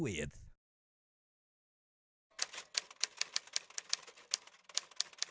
di asosiasi dengan